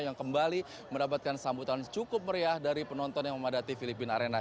yang kembali mendapatkan sambutan cukup meriah dari penonton yang memadati filipina arena